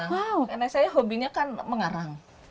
karena saya hobinya kan mengarang